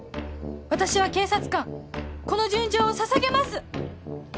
私は警察官この純情をささげます！